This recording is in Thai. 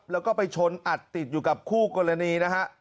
แล้วก็ไปชนอัดติดอยู่กับคู่กรณีนะฮะ